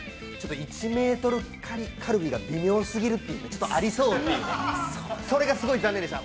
◆１メートルカルビが微妙過ぎるというかちょっとありそうというかそれがすごい残念でした。